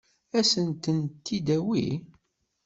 Ad sent-ten-id-tawi?